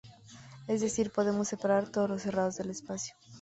Es decir, podemos separar todos los cerrados del espacio.